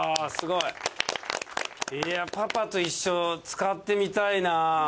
いやパパと一緒使ってみたいな。